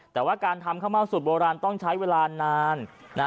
แต่ว่าการทำข้าวเม่าสูตรโบราณต้องใช้เวลานาน